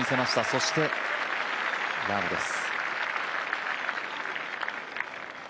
そしてラームです。